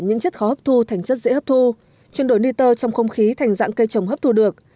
những chất khó hấp thu thành chất dễ hấp thu chuyên đổi niter trong không khí thành dạng cây trồng hấp thu được